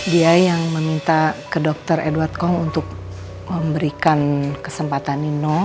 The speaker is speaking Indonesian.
dia yang meminta ke dokter edw com untuk memberikan kesempatan nino